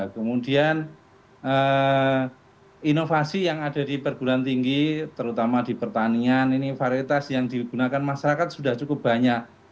kemudian inovasi yang ada di perguruan tinggi terutama di pertanian ini varietas yang digunakan masyarakat sudah cukup banyak